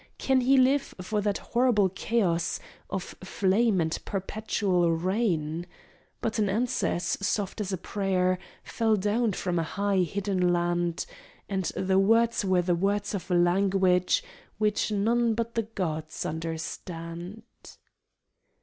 Can he live for that horrible chaos Of flame and perpetual rain?" But an answer as soft as a prayer Fell down from a high, hidden land, And the words were the words of a language Which none but the gods understand.